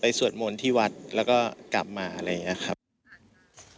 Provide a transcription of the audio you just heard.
ไปสวดโมนที่วัดแล้วก็กลากลับมา